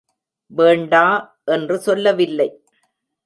வேண்டா என்று சொல்லவில்லை.